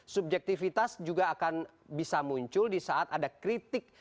subjektivitas juga akan bisa muncul di saat ada kritik